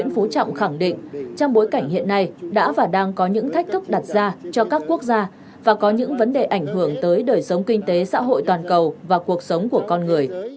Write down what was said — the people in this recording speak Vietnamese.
nguyễn phú trọng khẳng định trong bối cảnh hiện nay đã và đang có những thách thức đặt ra cho các quốc gia và có những vấn đề ảnh hưởng tới đời sống kinh tế xã hội toàn cầu và cuộc sống của con người